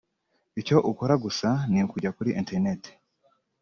icyo ukora gusa ni ukujya kuri internet